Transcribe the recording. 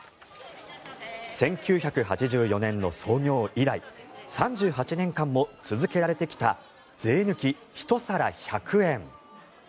１９８４年の創業以来３８年間も続けられてきた税抜き１皿１００円。